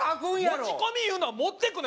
持ち込みいうのは持ってくるねん！